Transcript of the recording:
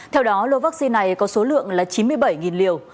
theo đó lô vaccine này có số lượng là chín mươi bảy liều